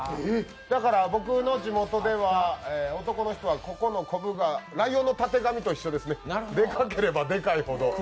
だから僕の地元では男の人は、ここのこぶがライオンのたてがみと一緒ですね、でかければでかいほど。